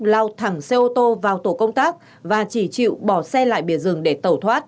lao thẳng xe ô tô vào tổ công tác và chỉ chịu bỏ xe lại bìa rừng để tẩu thoát